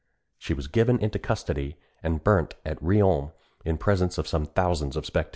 She was given into custody, and burnt at Riom in presence of some thousands of spectators.